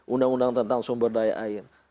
undang undang tentang sumber daya air